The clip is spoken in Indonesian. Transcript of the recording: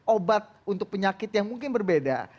obat untuk penyakit yang mungkin berbeda